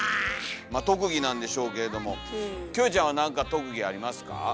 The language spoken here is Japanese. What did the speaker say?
まあ特技なんでしょうけれどもキョエちゃんは何か特技ありますか？